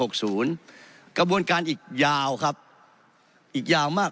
กระบวนการอีกยาวครับอีกยาวมาก